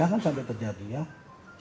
jangan sampai terjadi jangan sampai terjadi